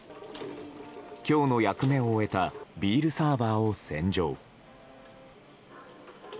今日の役目を終えたビールサーバーを洗浄。